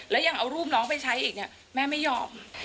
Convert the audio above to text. แล้วยังเอารูปน้องไปใช้อีกเนี่ยแม่ไม่ยอม